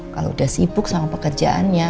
kalau udah sibuk sama pekerjaannya